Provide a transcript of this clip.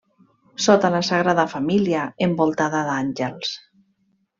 Sota la Sagrada Família envoltada d'Àngels.